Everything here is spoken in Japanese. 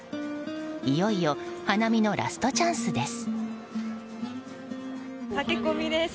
いよいよ花見のラストチャンスです。